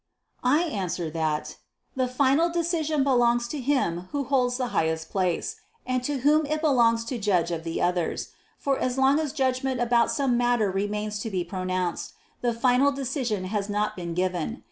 I answer that, The final decision belongs to him who holds the highest place, and to whom it belongs to judge of the others; for as long as judgment about some matter remains to be pronounced, the final decision has not been given.